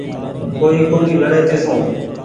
ڪوئي ڪونيٚ لهڙي تيسون